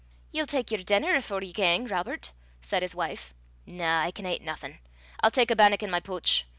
"Ye'll tak yer denner afore ye gang, Robert," said his wife. "Na, I can ait naething; I'll tak a bannock i' my pooch.